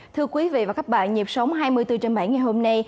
thưa quý vị và các bạn nhịp sống hai mươi bốn trên bảy ngày hôm nay